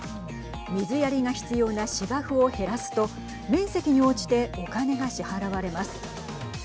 水やりが必要な芝生を減らすと面積に応じてお金が支払われます。